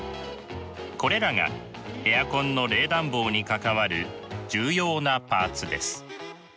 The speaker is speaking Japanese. これらがエアコンの冷暖房に関わる重要なパーツです。